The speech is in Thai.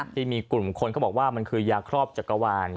ที่มีกลุ่มคนเขาบอกว่ามันคือยาครอบจักรวาล